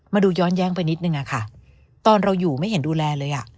ย้อนแย้งไปนิดนึงอะค่ะตอนเราอยู่ไม่เห็นดูแลเลยอ่ะ